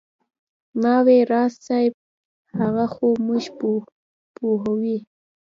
ما وې راز صاحب هغه خو موږ پوهوي.